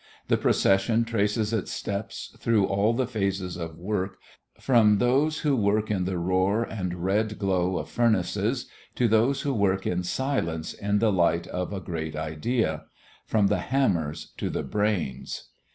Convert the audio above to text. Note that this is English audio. The procession traces its steps through all the phases of work, from those who work in the roar and red glow of furnaces to those who work in silence in the light of a great idea: from the hammers to the brains.